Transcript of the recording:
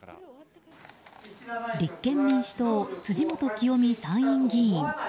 立憲民主党、辻元清美参院議員。